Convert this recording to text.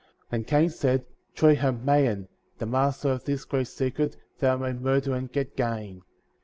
And Cain said: Truly I am Mahan, the mas ter of this great secret, that I may murder^ and get gain.